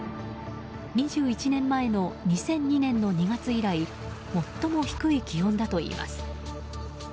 ２１年前の２００２年の２月以来最も低い気温だといいます。